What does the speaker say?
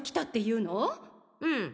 うん。